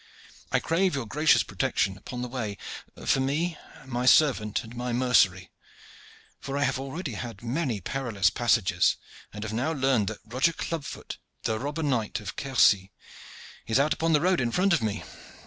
I crave your gracious protection upon the way for me, my servant, and my mercery; for I have already had many perilous passages, and have now learned that Roger Club foot, the robber knight of Quercy, is out upon the road in front of me.